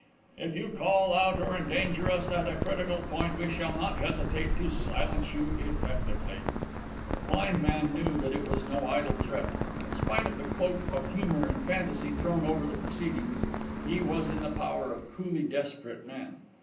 If you call out or endanger us at a critical point we shall not hesitate to silence you effectively." The blind man knew that it was no idle threat. In spite of the cloak of humour and fantasy thrown over the proceedings, he was in the power of coolly desperate men.